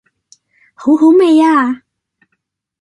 好好味呀